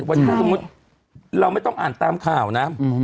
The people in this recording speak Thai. ว่าถ้าสมมุติเราไม่ต้องอ่านตามข่าวนะ